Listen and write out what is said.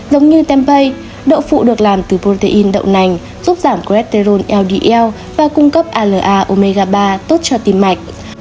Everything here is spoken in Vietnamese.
giống như tempeh đậu phụ được làm từ protein đậu nành giúp giảm cholesterol ldl và cung cấp ala omega ba tốt cho tim mạch